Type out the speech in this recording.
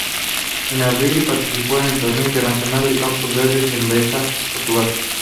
En abril participó en el torneo internacional de Campos Verdes, en Beja, Portugal.